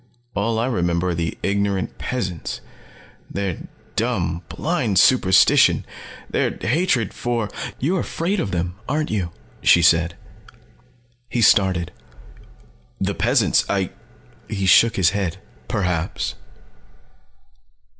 All I remember are the ignorant peasants. Their dumb, blind superstition their hatred for " "You're afraid of them, aren't you?" she said. He started. "The peasants. I " He shook his head. "Perhaps."